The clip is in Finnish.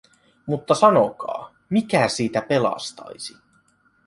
Mutta sanokaa, mikä siitä pelastaisi?